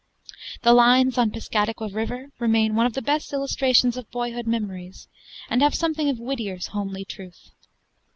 The lines on 'Piscataqua River' remain one of the best illustrations of boyhood memories, and have something of Whittier's homely truth.